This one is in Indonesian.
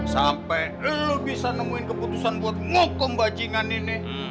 sampai lu bisa nemuin keputusan buat ngokom bajingan ini